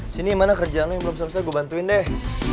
sini mana kerjaan yang belum selesai gue bantuin deh